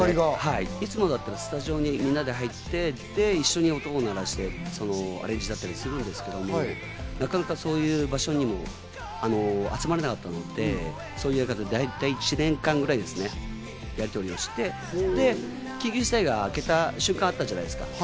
いつもならスタジオにみんなで入って、一緒に音を鳴らしてアレンジだったりするんですけど、なかなかそういう場所にも集まれなかったので、１年間ぐらいやりとりをして、緊急事態が明けた瞬間があったじゃないですか。